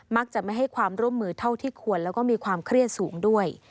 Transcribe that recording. จะไม่ให้ความร่วมมือเท่าที่ควรแล้วก็มีความเครียดสูงด้วย